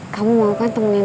kamu mau kan temenin